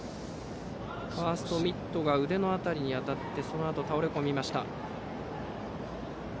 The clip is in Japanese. ファーストミットが腕の辺りに当たって倒れ込みました。